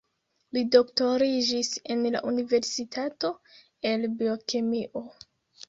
Li doktoriĝis en la universitato el biokemio.